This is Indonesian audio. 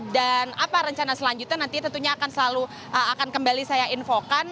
dan apa rencana selanjutnya nanti tentunya akan selalu akan kembali saya infokan